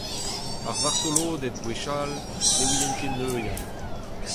Ar vartoloded gwechall ne ouient ket neuial.